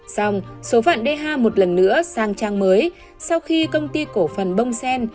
xong số phận dh một lần nữa sang trang mới sau khi công ty cổ phần bông sen